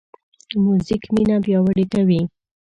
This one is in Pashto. موزیک مینه پیاوړې کوي.